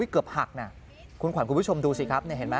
เกือบหักคุณขวัญคุณผู้ชมดูสิครับ